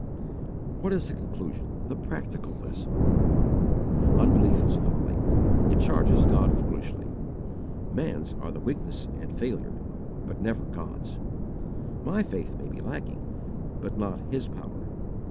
What is the conclusion, the practical lesson? Unbelief is folly. It charges God foolishly. Man's are the weakness and failure, but never God's. My faith may be lacking, but not His power.